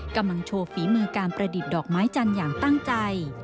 กำลังโชว์ฝีมือการประดิษฐ์ดอกไม้จันทร์อย่างตั้งใจ